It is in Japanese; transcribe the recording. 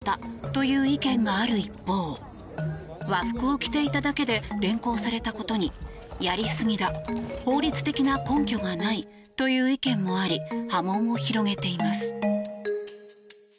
ネット上では警察に対しよくやったという意見がある一方和服を着ていただけで連行されたことにやりすぎだ、法律的な根拠がないという意見もあり波紋を広げています。